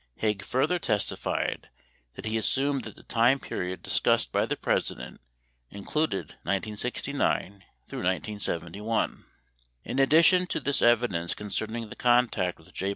86 Haig further testified that he assumed that the time period discussed by the President included 1969 through 1971. 87 In addition to this evidence concerning the contact with J.